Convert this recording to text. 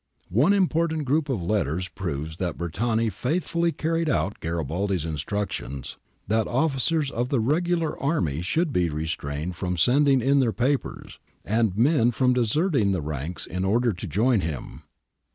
"^ One important group of letters^ proves that Bertani faithfully carried out Garibaldi's instructions that officers of the regular army should be restrained from sending in their papers, and men from deserting the ranks in order to join him.